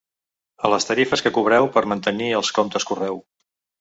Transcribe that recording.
A les tarifes que cobreu per mantenir els comptes correu.